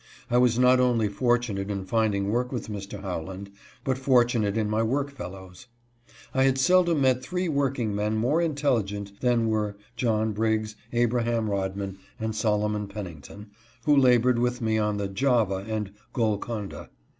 I was not only fortunate in finding work with Mr. Howland, but fortunate in my work fellows. I have seldom met three working men more intelligent than were John Briggs, Abraham Rodman, and Solomon Pennington, who labored with me on the "Java" and " Golconda."